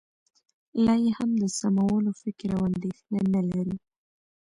لا یې هم د سمولو فکر او اندېښنه نه لرو